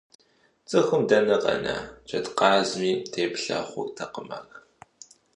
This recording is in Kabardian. ЦӀыхум дэнэ къэна, джэдкъазми теплъэ хъуртэкъым ар!